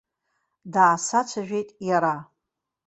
Даасацәажәеит иара.